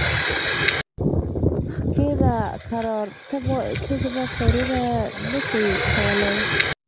کښینه کرار! ته زما کارونه نه سې کولای.